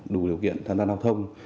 đủ điều kiện tham gia lao thông